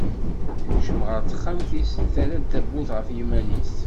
Tekcem ɣer texxamt-is terra-d tawwurt ɣef yiman-is.